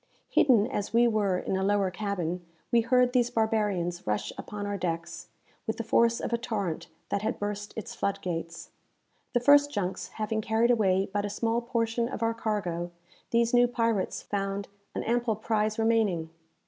Hidden as we were in a lower cabin, we heard these barbarians rush upon our decks, with the force of a torrent that had burst its flood gates. The first junks having carried away but a small portion of our cargo, these new pirates found an ample prize remaining.